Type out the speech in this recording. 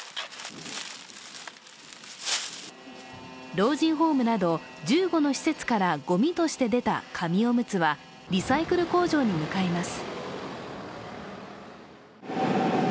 老人ホームなど１５の施設からごみとして出た紙おむつはリサイクル工場に向かいます。